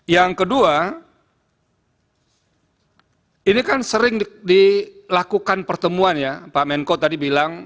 yang kedua ini kan sering dilakukan pertemuan ya pak menko tadi bilang